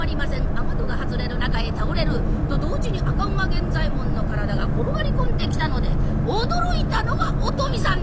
雨戸が外れる中へ倒れると同時に赤馬源左衛門の体が転がり込んできたので驚いたのはお富さんです。